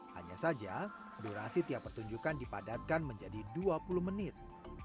hanya saja durasi tiap pertunjukan dipadatkan menjadi dua puluh menit